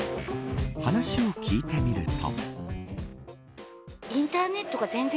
話を聞いてみると。